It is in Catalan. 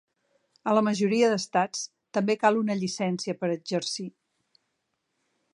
A la majoria d'estats, també cal una llicència per exercir.